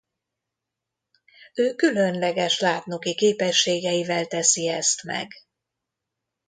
Ő különleges látnoki képességeivel teszi ezt meg.